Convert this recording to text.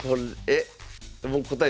え